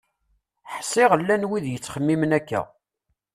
Ḥsiɣ llan wid yettxemmimen akka.